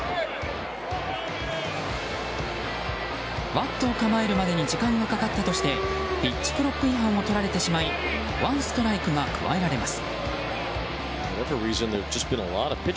バットを構えるまでに時間がかかったとしてピッチクロック違反をとられてしまいワンストライクが加えられます。